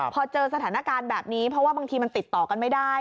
พอเจอสถานการณ์แบบนี้เพราะว่าบางทีมันติดต่อกันไม่ได้